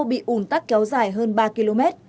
bị un tắc kéo dài hơn ba km